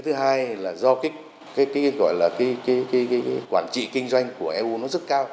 thứ hai là do cái gọi là cái quản trị kinh doanh của eu nó rất cao